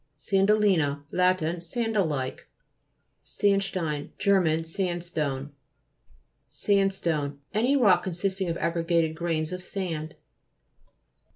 SANDALI'NA Lat. Sandal like. SANDSTEIN Ger. Sandstone. SANDSTONE Any rock consisting of aggregated grains of sand.